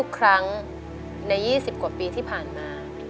ทุกครั้งใน๒๐กว่าปีที่ผ่านมา